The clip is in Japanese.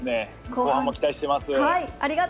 後半も期待しています。